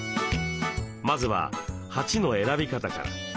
まずは鉢の選び方から。